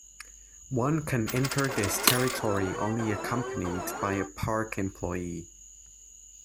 One can enter this territory only accompanied by a park employee.